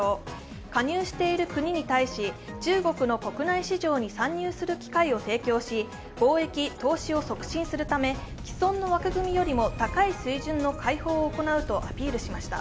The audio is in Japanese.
加入している国に対し中国の国内市場に参入する機会を提供し貿易、投資を促進するため帰村の枠組みよりも高い水準の開放を行うとアピールしました。